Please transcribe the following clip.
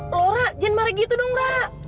loh ra jangan marah gitu dong ra